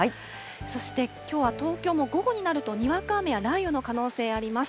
そしてきょうは東京も午後になると、にわか雨や雷雨の可能性あります。